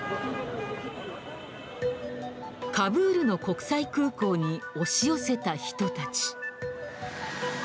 カブールの国際空港に押し寄せた人たち。